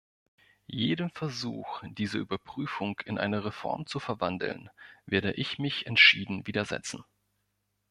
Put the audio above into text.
Jedem Versuch, diese Überprüfung in eine Reform zu verwandeln, werde ich mich entschieden widersetzen.